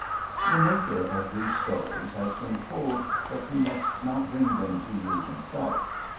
'HE maker of these stories has been told that he must not bring them to you himself.